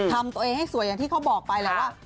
ทำตัวเองให้สวยอย่างที่เขาบอกไปแหละว่า